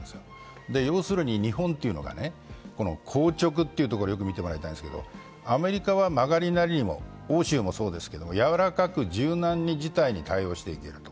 要するに日本というのが硬直というところをよく見てほしいんですけど、アメリカはまがりなりにも、欧州もそうですけど、やわらかく柔軟に事態に対応している。